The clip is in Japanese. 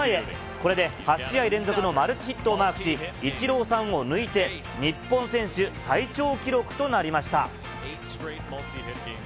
これで８試合連続のマルチヒットをマークし、イチローさんを抜いて、日本選手最長記録となりました。